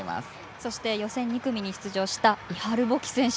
そして予選２組に出場したイハル・ボキ選手。